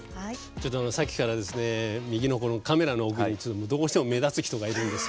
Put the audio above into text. さっきから右のカメラの奥にどうしても目立つ人がいるんです。